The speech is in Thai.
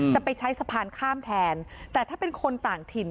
จะไปใช้สะพานข้ามแทนแต่ถ้าเป็นคนต่างถิ่น